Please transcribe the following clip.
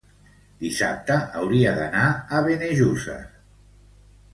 Dissabte hauria d'anar a Benejússer.